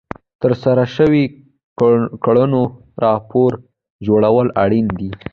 د ترسره شوو کړنو راپور جوړول اړین دي.